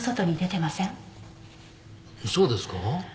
そうですか？